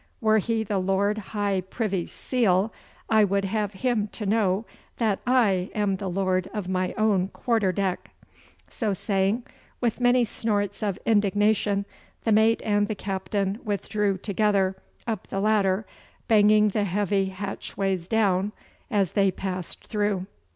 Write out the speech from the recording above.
Were he the Lord High Privy Seal, I would have him to know that I am lord of my own quarter deck!' So saying, with many snorts of indignation, the mate and the captain withdrew together up the ladder, banging the heavy hatchways down as they passed through.